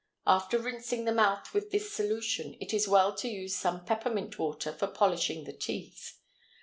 After rinsing the mouth with this solution, it is well to use some peppermint water for polishing the teeth.